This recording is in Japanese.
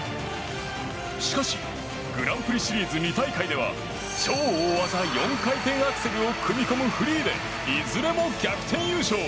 しかしグランプリシリーズ２大会では超大技４回転アクセルを組み込むフリーで、いずれも逆転優勝！